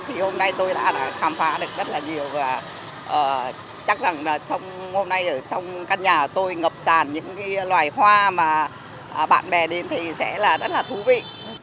thì hôm nay tôi đã khám phá được rất là nhiều và chắc rằng là trong hôm nay ở trong căn nhà tôi ngập sàn những cái loài hoa mà bạn bè đến thì sẽ là rất là thú vị